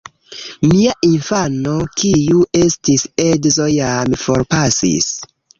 Mia infano, kiu estis edzo, jam forpasis.